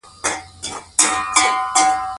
کرکټر هغه شخص دئ، چي د هغه په باره کښي څه وايي.